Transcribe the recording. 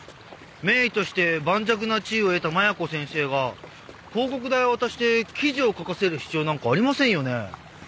名医として盤石な地位を得た麻弥子先生が広告代を渡して記事を書かせる必要なんかありませんよね？